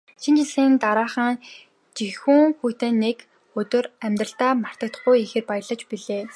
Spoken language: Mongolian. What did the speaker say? Шинэ жилийн дараахан жихүүн хүйтэн нэг өдөр амьдралдаа мартамгүй ихээр баярлаж билээ.